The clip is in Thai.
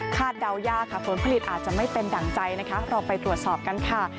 เดายากค่ะผลผลิตอาจจะไม่เป็นดั่งใจนะคะเราไปตรวจสอบกันค่ะ